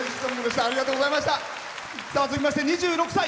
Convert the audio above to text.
続きまして２６歳。